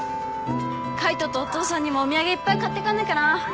海斗とお父さんにもお土産いっぱい買ってかなきゃな。